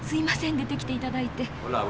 出てきていただいて。